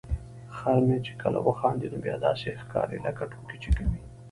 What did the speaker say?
خر مې چې کله وخاندي نو بیا داسې ښکاري لکه ټوکې چې کوي.